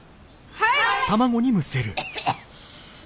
はい。